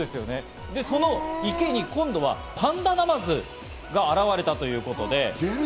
で、その池に今度はパンダナマズが現れたということで。